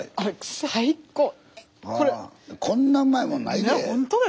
こんなうまいもんないで。